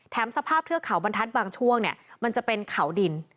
แถมสภาพเครือเข่าบรรทัศน์บางช่วงก็จะเป็นขาวดิน